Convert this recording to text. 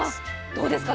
どうですか？